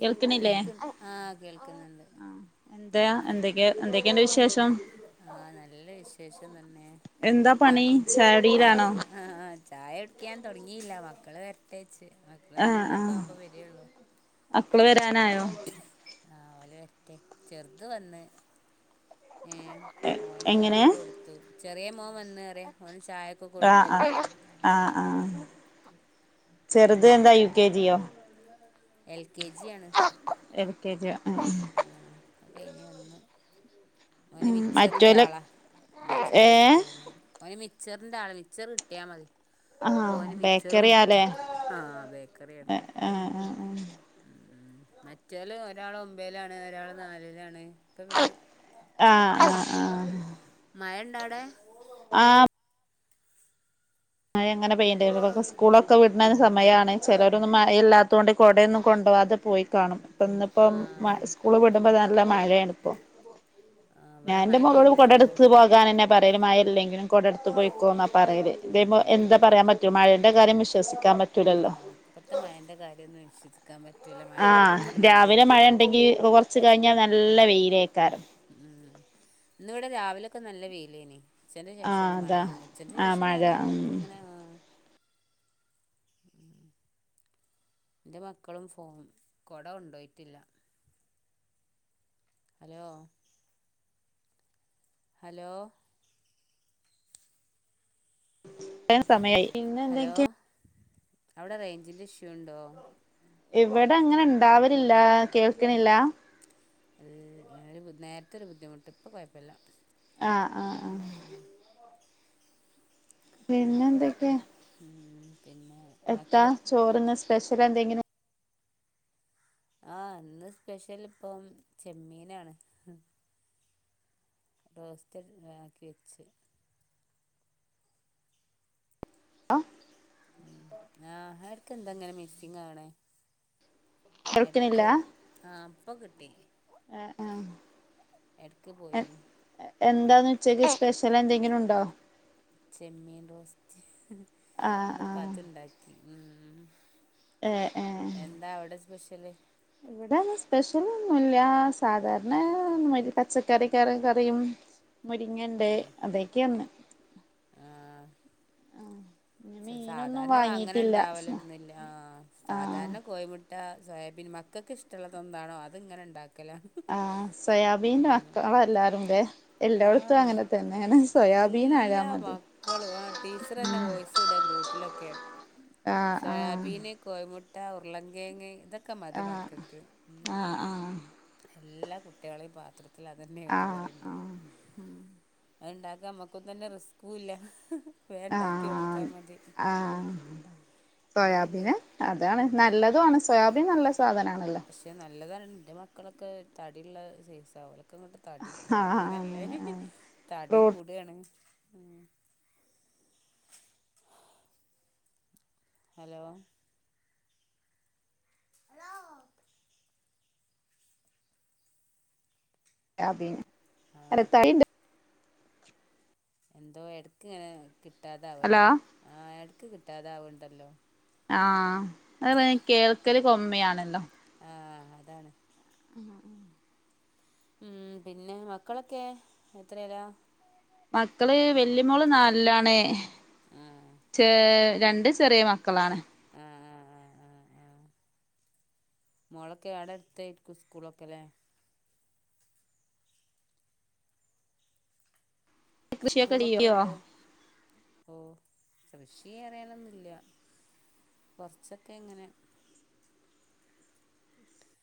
കേൾക്കണില്ലേ കേക്ക് ആ കേൾക്ക്ന്നോണ്ട് എന്തായാ എന്തൊക്കെയ എന്തൊക്കെയൊണ്ട് വിശേഷം ആ നല്ലാ വിശേഷം തന്നെ എന്താ മ പണി മ ചായകുടിയിലാണോ ആ ചായ കുടിക്കാൻ തുടങ്ങിയില്ല മക്കള് വെരട്ടെ മക്കളെ നാലാരൊക്കെ ആമ്പോ വരുള്ളൂ മക്കളു വരാ ക്കാനായോ ആല്ത് ചെറുത്തെ വന്ന് ഏ ഓന് എങ്ങനെ ചായൊക്കെ കൊടുത്തു ചെറിയ മോൻ വന്ന് പറയും ഓന് ചായൊക്കെ ആഹ് കൊടുത്തു ആഹ് ചെറുതെ എന്താ U K G L K ഏ കേജി ആ ആ അതു കഴിഞ്ഞ് വന്നു ഓന് മിച്ചറിന്റെ മറ്റോല് ആളാ മിച്ചറു ഏഹ് കൊടുത്തു ഓന് ഓന് മിച് മി ച്ചറിന്റെ ആളെ മിച്ചറ് കിട്ടിയാൽ മതി ആ അപ്പോ ഓന് മിച്ചർ കൊടുത്തു ബേക്കറിയല്ലേ ആഹ് ബേക്കറിയാണ് ഏ ആ ആ മറ്റോല് ഒരാളെ ഒമ്പയിലാണ് ഒരാളെ നാലിലാണ് ഇപ്പ വരും ആഹ് ആഹ് ആഹ് മഴ താടാ ആ മഴ ആങ്ങന പെയ്യന്റെനു ഇവർക്കു സ്കൂളൊക്കെ വിടുന്ന സമയമാണ് ചിലരൊന്നും മയയില്ലാത്തോണ്ട് കൊടയൊന്നും കൊണ്ടപോവാതെ പോയി കാണും ഇന്നിപ്പം മാ ആഹ് സ്കൂളു വിടുമ്പയാണ് നല്ല മഴയാണ് ഇപ്പം ആഹ് ഞാൻ ഇവിടെ എന്റെ മഴ പെയ്ത് മൊകളും കൊടെ ടുത്ത് ചോർന്നു പോകാനന്നെ പറ കരു മായയില്ലെങ്കിലും കൊടെടുത്തെ പോയിക്കോന്നാ പറയലെ വിബോ ഉം എന്താ പറയാൻ പറ്റുവോ മഴേന്റെ കാര്യം വിശ്വസിക്ക ആ ഇപ്പത്തെ മായേന്റെ കാര്യം ഒന്നും വിശ്വസിക്കാൻ പറ്റ് ആ രാവിലെ മഴേണ്ടെങ്കി കൊറ ച്ച് കഴിഞ്ഞാൽ നല്ല വെയി ഉം ഉം ഇന്നിവിടെ രാവിലൊക്കെ നല്ല വെയിലേനി ഉച്ഛന്റെ ആഹ് ശേഷണ്ട് മഴ അതാ ഉച്ചന്റെ ആഹ് ശേഷന്ന മഴ പറിയാനല്ല ഉം ഇപ്പ ഇങ്ങനെ എന്റെ മക്കളും ഫോ കൊട കൊണ്ടുപോയിട്ടില്ല ഹലോ ഹലോ സമയായി ഹലോ ഇന്നെന്തെക്കെയാ അവിടെ റേഞ്ചിന്റിഷ്യു ഉണ്ടോ ഇവിടെ അങ്ങനെ ഉണ്ടാവരില്ലാ കേൾക്കണില്ല അത് നേര നേരത്തെ ഒരു ബുദ്ധിമുട്ട് ഇപ്പം കൊഴപ്പില്ല ആ ആ ആ പിന്നെ എന്തൊക്കെയാ മ് എത്താ ചോറിന് സ്പെഷ്യലെന്തെങ്കിലും ആ ഇന്ന് സ്പെഷ്യൽ ഇപ്പം ചെമ്മീനാണ് റോസ്റ്റഡ് ആക്കി വെച്ച് ആ മ് ആഹർക്ക് എന്തെങ്ങനെ മിസ്സിംഗ് ആണ് കേൾക്കണില്ല എടുക്കല് ആ ഇപ്പം കിട്ടി ആ ആ ഇടയ്ക്ക് എ പോയിന് ഉം. എന്താന്ന് ഉച്ചക്ക് സ്പെഷ് വേറെ എന്തെങ്കിലും ഉണ്ടോ ചെമ്മീൻ റോസ്റ്റ് ആഹ് ഇന്നിപ്പം ആഹ് അതുണ്ടാക്കി മ് ഏഹ് എന്താ അവിടെ സ്പെശി ഇൽ ഇവിടെന് സ്പെഷ്യൽ ഒന്നൂല്ല സാധാരണ പച്ചക്കറി കറി കറിയും മുരിങ്ങ ഇണ്ട് ആ അതൊക്കെ അന്ന് ആ പിന്നെ മീനൊന്നും സാധാരണ വാങ്ങിയിട്ടില്ല വാങ്ങനുണ്ടാവലൊന്നില്ല ആഹ് സാധാരണ കോഴിമുട്ട സോയാബീൻ മക്കക്ക് ഇഷ്ടുള്ളത് എന്താണോ അത് ഇങ്ങനെ ഇണ്ടാക്കും ആ സോയാബീൻന്റെ മക്കള എല്ലാരൂംടെ ആ എല്ലായിടത്തും അങ്ങനെ തന്നെയാണ് സോയാബീൻ ആയ എല്ലാ മതി മക്കളും ആ ടീച്ചർ തന്നെ വോയിസ് ഇടുക ഗ്രൂപ്പിലൊക്കെ ആഹ് ആഹ് സോയാബീന് കോഴിമു മറ്റ ഉർളൻകെയങ്ങ് ഇത ആ ആ ആ എല്ലാ കുട്ടികളെയും പാത്രം ആ ആ അത് ഉണ്ടാക്കാൻ നമ്മക്കൊന്നും തന്നെ റിസ്കും ഇല്ല വേം ഇണ്ടാക്കി കൊടു ആ അത് സോയാബീന് വലിയ അതാണ് നല്ലതുവാണ് സോയാബീൻ നല്ല സ സാധനാണല്ലേ പക്ഷെ നല്ലതാണ് എന്റെ മക്കളക്കെ തടിള്ള സൈസ് ഒലക്കേ ഒക്കങ്ങട്ട് തടി ആഹ് പ്രോട്ടീനല്ലേ അങ്ങനെ ആഹ് തടി ഫ്രൂട്ട് കൂടയാണ് ഉം ഹലോ ആ പിന്നെ ആ അല്ല തടിണ്ട് എന്തോ എടക്ക്ങ്ങനെ കിട്ടാതാവൂല്ലേ ഹലോ ആ എടു ക്ക് കിട്ടാതാവണ്ടല്ലോ ആ അത് [unintelligible] കേൾക്കല് കൊമ്മിയാണല്ലോ ആ അതാണ് ഉം പിന്നെ മക്കളൊക്കെ എത്രേലാ മക്കള് വെല്ലിമോള് നാലില്ലാണ് ആ ചേ രണ്ട് ചെറിയ മക്കളാണ് ആ ആ ആ ആ ആ മോളൊക്കെ ആടെ അടുത്തായിക്കും സ്കൂളക്കെ ല്ലേ കൃഷിയൊക്കെ സ്കൂളൊക്കെ ചെയ്യോ എവിടെ ഓ കൃഷി അറിയാലൊന്നുല്ല കൊറച്ചൊക്കെ ഇങ്ങനെ